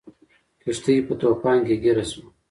کښتۍ په طوفان کې ګیره شوه.